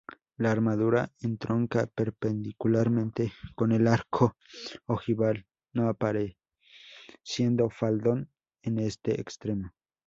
La armadura entronca perpendicularmente con el arco ojival no apareciendo faldón en este extremo.